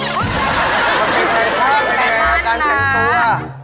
ฟาชั่นนะการแต่งตัว